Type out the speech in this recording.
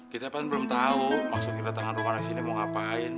kita kan belum tau maksudnya datang ke rumah lu sini mau ngapain